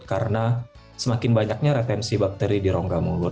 karena semakin banyaknya retensi bakteri di rongga mulut